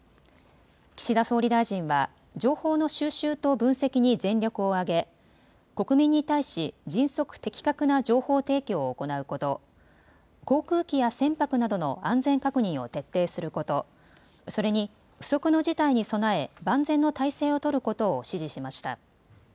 岸田総理大臣は情報の収集と分析に全力を挙げ国民に対し対し迅速、的確な情報提供を行うこと、航空機や船舶などの安全確認を徹底すること、それに不測の事態に備え万全の態勢を取ることを指示しました。